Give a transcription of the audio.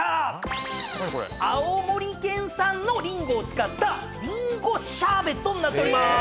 青森県産のリンゴを使ったりんごシャーベットになっております。